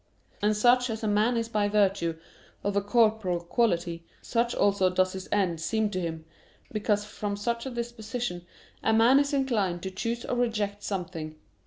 And such as a man is by virtue of a corporeal quality, such also does his end seem to him, because from such a disposition a man is inclined to choose or reject something.